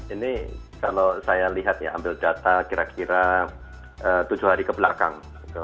ini kalau saya lihat ya ambil data kira kira tujuh hari kebelakang